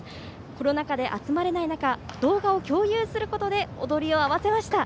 コロナ禍で集まれない中動画を共有することで踊りを合わせました。